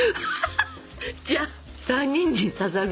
じゃあ３人にささぐ。